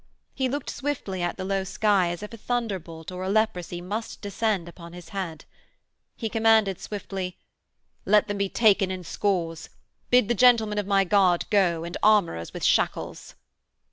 He looked swiftly at the low sky as if a thunderbolt or a leprosy must descend upon his head. He commanded swiftly, 'Let them be taken in scores. Bid the gentlemen of my guard go, and armourers with shackles.'